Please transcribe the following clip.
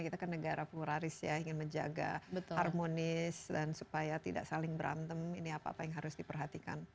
kita kan negara pluraris ya ingin menjaga harmonis dan supaya tidak saling berantem ini apa apa yang harus diperhatikan